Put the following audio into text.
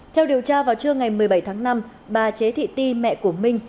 theo điều tra vào trưa ngày một mươi bảy tháng năm bà chế thị ti mẹ của minh